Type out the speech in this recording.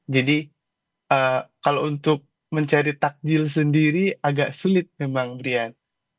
jadi kalau untuk mencari tajil sendiri agak sulit memang brian